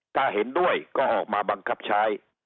ถ้าเห็นด้วยก็ออกมาบังคับใช้